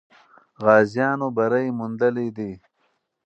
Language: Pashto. غازیانو بری موندلی دی.